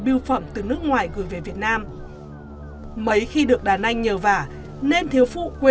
biêu phẩm từ nước ngoài gửi về việt nam mấy khi được đàn anh nhờ vả nên thiếu phụ quê